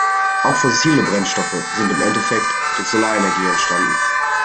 Auch fossile Brennstoffe sind im Endeffekt durch Solarenergie entstanden.